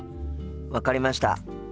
分かりました。